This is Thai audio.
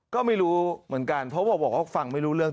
ก็ไม่รู้เหมือนกันเพราะบอกว่าฟังไม่รู้เรื่อง